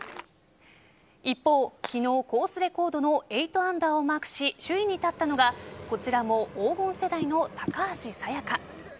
一方、昨日コースレコードの８アンダーをマークし首位に立ったのがこちらも黄金世代の高橋彩華。